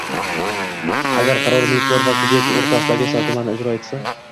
agar qaror mulkdor va subyekt o‘rtasidagi shartnomani ijro etish